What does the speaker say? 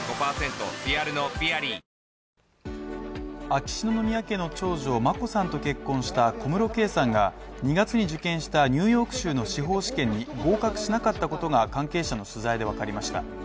秋篠宮家の長女眞子さんと結婚した小室圭さんが２月に受験したニューヨーク州の司法試験に合格しなかったことが関係者への取材でわかりました。